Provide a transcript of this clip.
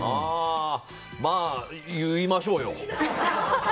まあ言いましょうよ。